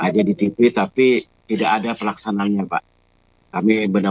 jika sudah adailus medan di quotes